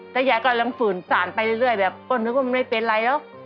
ถ้ายังกำลังฝืนสารไปเรื่อยเรื่อยแบบก็นึกว่ามันไม่เป็นไรแล้ว